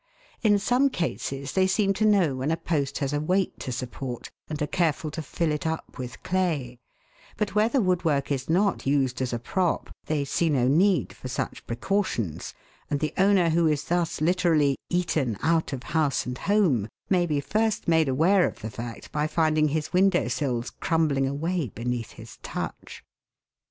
In some cases they seem to know when a post has a weight to support, and are careful to fill it up with clay; but where the woodwork is not used as a prop, they see no need for such precautions, and the owner who is thus literally " eaten out of house and home " may be first made aware of the fact by finding his window sills crumbling away beneath his touch.